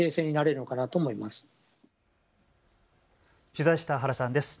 取材した原さんです。